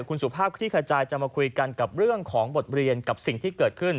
คุณสุภาพคลี่ขจายจะมาคุยกันกับเรื่องของบทเรียนกับสิ่งที่เกิดขึ้น